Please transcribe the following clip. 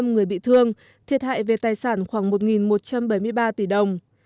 năm người bị thương thiệt hại về tài sản khoảng một một trăm bảy mươi ba tỷ đồng